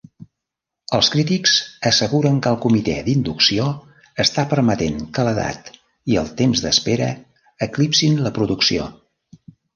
Els crítics asseguren que el comitè d'inducció està permetent que l'edat i el temps d'espera eclipsin la producció.